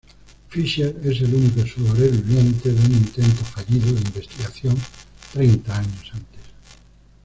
Fischer es el único sobreviviente de un intento fallido de investigación treinta años antes.